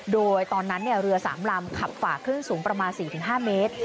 โดยตอนนั้นเรือ๓ลำขับฝ่าคลื่นสูงประมาณ๔๕เมตร